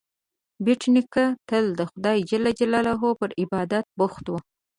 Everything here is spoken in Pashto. بېټ نیکه تل د خدای جل جلاله پر عبادت بوخت و.